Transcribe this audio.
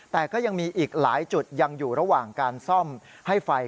แต่ก็ยังมีอีกหลายจุดยังอยู่ระหว่างการซ่อมให้ไฟ